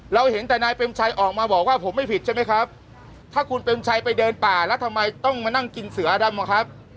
เห็นแต่นายเปรมชัยออกมาบอกว่าผมไม่ผิดใช่ไหมครับถ้าคุณเปรมชัยไปเดินป่าแล้วทำไมต้องมานั่งกินเสือดำอะครับ